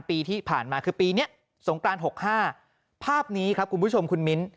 ปีที่ผ่านมาคือปีนี้สงกราน๖๕ภาพนี้ครับคุณผู้ชมคุณมิ้น